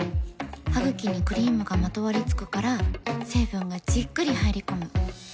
ハグキにクリームがまとわりつくから成分がじっくり入り込む。